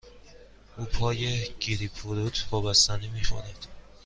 او پای گریپ فروت با بستنی می خورد.